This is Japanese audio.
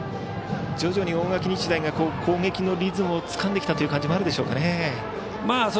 徐々に大垣日大が攻撃のリズムをつかんできたという感じもあるでしょうかね。